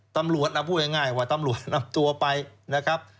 ตำรวจเราพูดง่ายว่าตำรวจนำตัวไปนะครับ